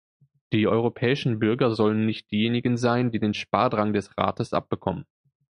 Die europäischen Bürger sollen nicht diejenigen sein, die den Spardrang des Rates abbekommen.